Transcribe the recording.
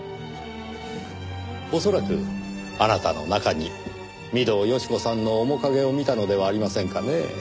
恐らくあなたの中に御堂好子さんの面影を見たのではありませんかね？